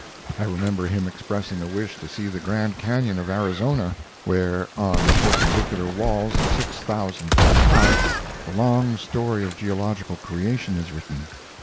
I remember him expressing a wish to see the Grand Canon of Arizona, where, on perpendicular walls six thousand feet high, the long story of geological creation is written.